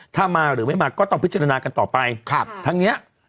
ถ้ามาหรือไม่มาก็ต้องพิจารณากันต่อไป